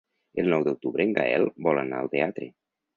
El nou d'octubre en Gaël vol anar al teatre.